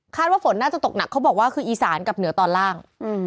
ว่าฝนน่าจะตกหนักเขาบอกว่าคืออีสานกับเหนือตอนล่าง